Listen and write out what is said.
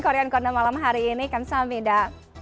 korean corner malam hari ini kamsahamnida